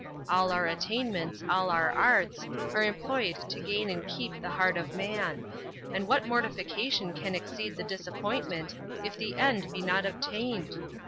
All our attainments, all our arts, are employed to gain and keep the heart of man: and what mortification can exceed the disappointment, if the end be not obtained?